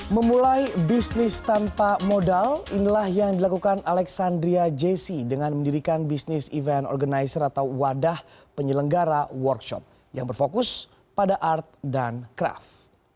memulai bisnis tanpa modal inilah yang dilakukan alexandria jessee dengan mendirikan bisnis event organizer atau wadah penyelenggara workshop yang berfokus pada art dan craft